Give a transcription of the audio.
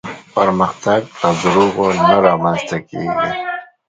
پرمختګ له دروغو نه رامنځته کېږي.